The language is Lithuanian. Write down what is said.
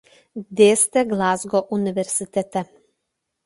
Dėstė Glazgo universitete.